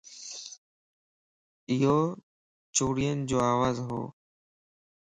ايو چوڙين جو آواز ھو